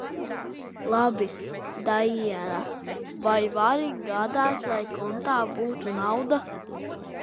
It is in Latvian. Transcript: Labi, Daiena, vai vari gādāt, lai kontā būtu nauda?